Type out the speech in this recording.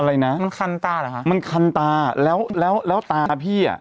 อะไรนะมันคันตาเหรอคะมันคันตาแล้วแล้วตาพี่อ่ะ